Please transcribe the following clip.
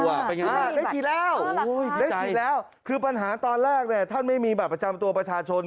ได้ฉีดแล้วได้ฉีดแล้วคือปัญหาตอนแรกเนี่ยท่านไม่มีบัตรประจำตัวประชาชน